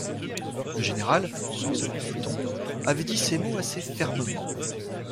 Le général, sans élever le ton, avait dit ces mots assez fermement.